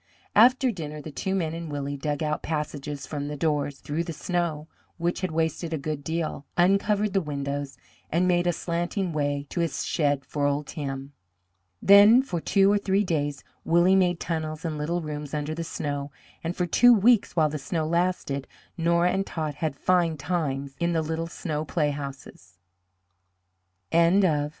After dinner the two men and Willie dug out passages from the doors, through the snow, which had wasted a good deal, uncovered the windows, and made a slanting way to his shed for old Tim. Then for two or three days Willie made tunnels and little rooms under the snow, and for two weeks, while the snow lasted, Nora and Tot had fine times in the little snow playhouses. XXX. MR.